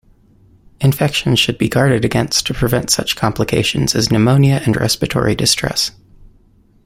Infections should be guarded against to prevent such complications as pneumonia and respiratory distress.